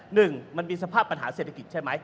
หนึ่งมันมีสภาพปัญหาเศรษฐกิจใช่ไหม